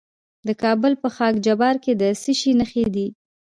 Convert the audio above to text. د کابل په خاک جبار کې د څه شي نښې دي؟